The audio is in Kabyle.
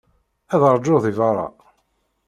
Ad ṛjuɣ deg beṛṛa.